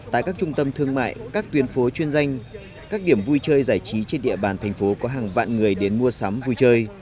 tại các trung tâm thương mại các tuyến phố chuyên danh các điểm vui chơi giải trí trên địa bàn thành phố có hàng vạn người đến mua sắm vui chơi